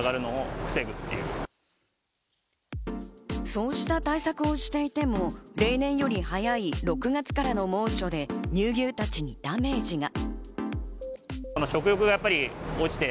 そうした対策をしていても、平年より早い６月からの猛暑で乳牛たちにダメージが。